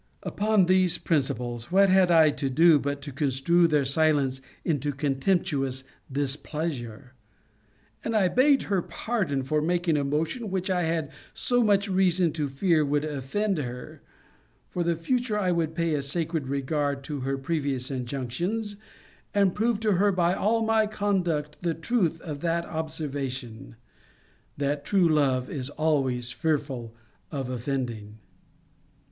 Upon these principles, what had I to do but to construe her silence into contemptuous displeasure? And I begged her pardon for making a motion which I had so much reason to fear would offend her: for the future I would pay a sacred regard to her previous injunctions, and prove to her by all my conduct the truth of that observation, That true love is always fearful of offending.